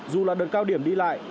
dù là đợt cao điểm đi lại